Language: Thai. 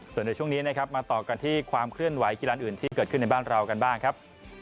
ส่วนในช่วงนี้นะครับมาต่อกันที่ความเคลื่อนไหวกีฬานอื่นที่เกิดขึ้นในบ้านเรากันบ้างครับ